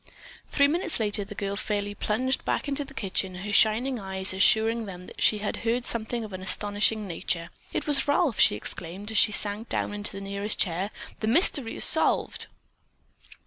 Three minutes later that girl fairly plunged back into the kitchen, her shining eyes assuring them that she had heard something of an astonishing nature. "It was Ralph," she exclaimed, as she sank down into the nearest chair. "The mystery is solved!"